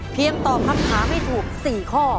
เพียงตอบคำถามให้ถูก๔ข้อ